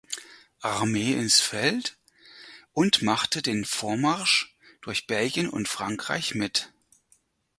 Armee ins Feld und machte den Vormarsch durch Belgien und Frankreich mit.